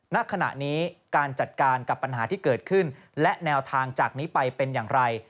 ณขณะนี้การจัดการกับปัญหาที่เกิดขึ้นและแนวทางจากนี้ไปเป็นอย่างไร